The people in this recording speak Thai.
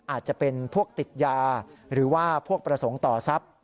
อาจจะเป็นพวกติดยาหรือว่าพวกประสงค์ต่อทรัพย์